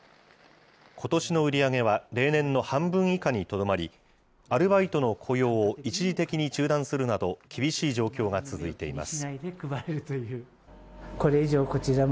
ことしの売り上げは例年の半分以下にとどまり、アルバイトの雇用を一時的に中断するなど、厳しい状況が続いています。